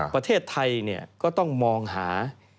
ประเทศไทยก็ต้องมองหา